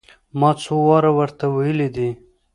ما څو واره ور ته ويلي دي.